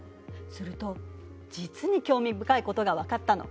すると実に興味深いことが分かったの。